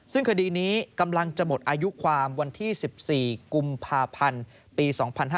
ซึ่งคดีนี้กำลังจะหมดอายุความวันที่๑๔กุมภาพันธ์ปี๒๕๕๙